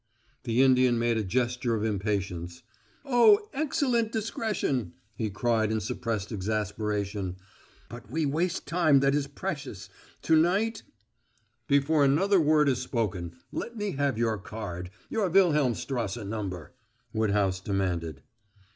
The Indian made a gesture of impatience. "Oh, excellent discretion!" he cried in suppressed exasperation. "But we waste time that is precious. To night " "Before another word is spoken, let me have your card your Wilhelmstrasse number," Woodhouse demanded.